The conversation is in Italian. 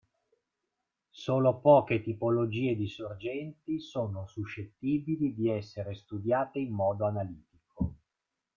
Solo poche tipologie di sorgenti sono suscettibili di essere studiate in modo analitico.